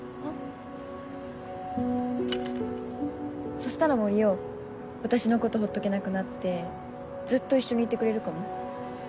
そしたら森生私のことほっとけなくなってずっと一緒にいてくれるかも。